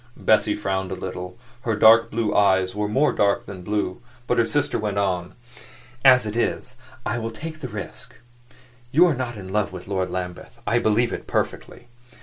Bessie frowned a little; her dark blue eyes were more dark than blue. But her sister went on. "As it is, I will take the risk. You are not in love with Lord Lambeth: I believe it, perfectly.